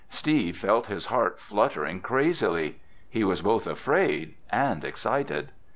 Steve felt his heart fluttering crazily. He was both afraid and excited.